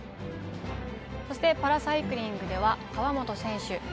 そして「パラサイクリング」では川本選手。